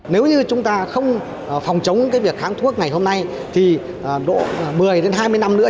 nếu như chúng ta không phòng chống cái việc kháng thuốc ngày hôm nay thì độ một mươi hai mươi năm nữa